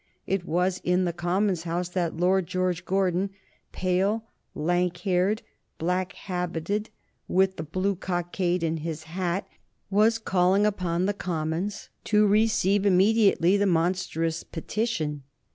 It was in the Commons' House that Lord George Gordon, pale, lank haired, black habited, with the blue cockade in his hat, was calling upon the Commons to receive immediately the monstrous petition.